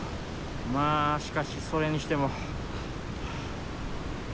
まあしかしそれにしても。